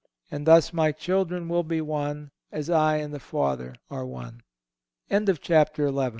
And thus my children will be one, as I and the Father are one. Chapter XII.